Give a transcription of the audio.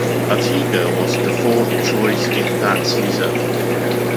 Arteaga was the fourth choice in that season.